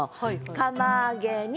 「釜揚げに」。